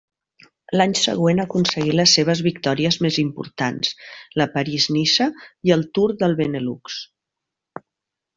L'any següent aconseguí les seves victòries més importants, la París-Niça i el Tour del Benelux.